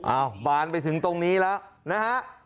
บานไปถึงตรงนี้แล้วนะฮะ